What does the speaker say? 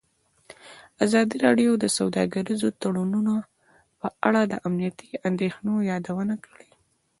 ازادي راډیو د سوداګریز تړونونه په اړه د امنیتي اندېښنو یادونه کړې.